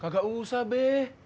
gak usah be